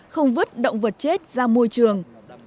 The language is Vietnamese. bốn không vứt động vật chết ra môi trường